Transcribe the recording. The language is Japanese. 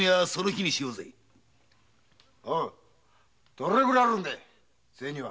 どれぐらいあるんだ銭は？